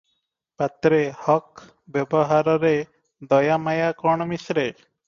ପାତ୍ରେ- ହକ୍ ବେବହାରରେ ଦୟା ମାୟା କଣ ମିଶ୍ରେ?